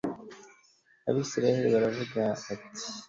abayisraheli baravuga bati